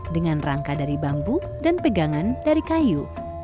dengan rangka dari bambu dan pegangan dari kayu